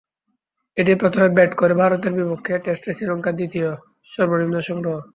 এটি প্রথমে ব্যাট করে ভারতের বিপক্ষে টেস্টে শ্রীলঙ্কার দ্বিতীয় সর্বনিম্ন সংগ্রহ।